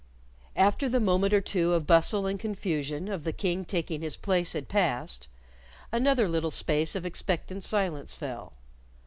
After the moment or two of bustle and confusion of the King taking his place had passed, another little space of expectant silence fell.